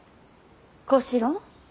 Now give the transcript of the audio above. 小四郎。